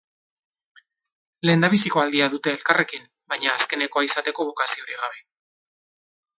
Lehendabiziko aldia dute elkarrekin, baina azkenekoa izateko bokaziorik gabe.